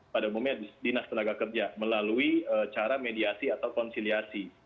pada umumnya dinas tenaga kerja melalui cara mediasi atau konsiliasi